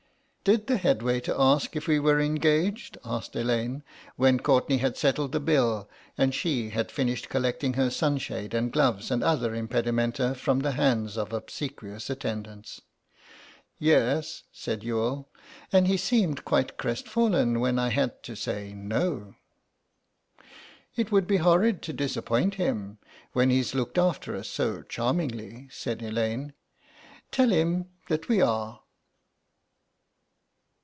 "Did the head waiter ask if we were engaged?" asked Elaine, when Courtenay had settled the bill, and she had finished collecting her sunshade and gloves and other impedimenta from the hands of obsequious attendants. "Yes," said Youghal, "and he seemed quite crestfallen when I had to say 'no.'" "It would be horrid to disappoint him when he's looked after us so charmingly," said Elaine; "tell him that we are."